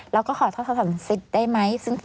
เราก็ขอทอดถอนสิทธิ์ได้ไหม